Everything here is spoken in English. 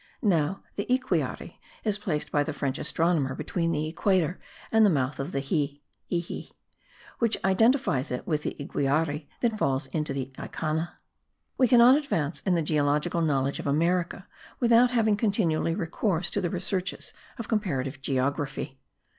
Now, the Iquiari is placed by the French astronomer between the equator and the mouth of the Xie (Ijie), which identifies it with the Iguiare that falls into the Icanna. We cannot advance in the geologic knowledge of America without having continually recourse to the researches of comparative geography.